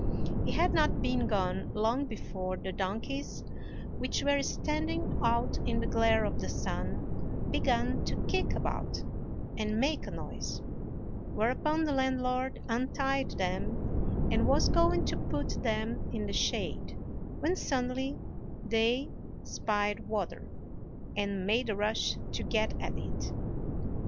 He had not been gone long before the donkeys, which were standing out in the glare of the sun, began to kick about, and make a noise; whereupon the landlord untied them, and was going to put them in the shade, when suddenly they espied water, and made a rush to get at it.